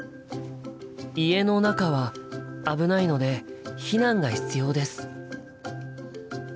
家の中は危ないので避難が必要です。